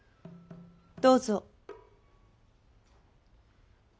どうぞ。